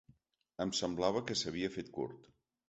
Em semblava que s’havia fet curt.